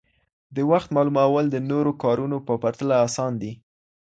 د وخت معلومول د نورو کارونو په پرتله اسان دي.